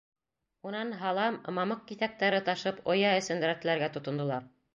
Унан һалам, мамыҡ киҫәктәре ташып, оя эсен рәтләргә тотондолар.